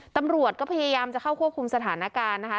ตำรวจก็พยายามจะเข้าควบคุมสถานการณ์นะคะ